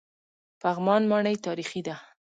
پغمان ماڼۍ تاریخي ده؟